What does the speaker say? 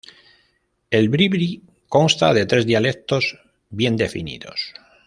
El bribri consta de tres dialectos bien definidos.